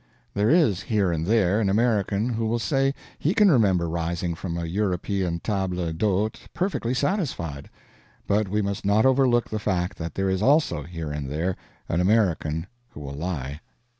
There is here and there an American who will say he can remember rising from a European table d'hôte perfectly satisfied; but we must not overlook the fact that there is also here and there an American who will lie.